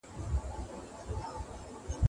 د انسانانو حقونه نړیوال ارزښت لري.